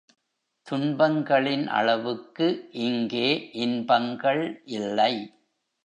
துன்பங்களின் அளவுக்கு இங்கே இன்பங்கள் இல்லை.